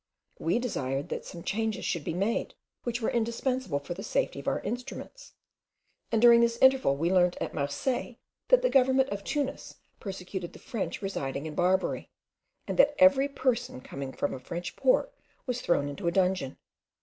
We desired that some changes should be made, which were indispensable for the safety of our instruments; and during this interval we learnt at Marseilles, that the government of Tunis persecuted the French residing in Barbary, and that every person coming from a French port was thrown into a dungeon.